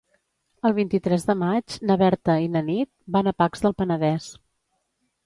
El vint-i-tres de maig na Berta i na Nit van a Pacs del Penedès.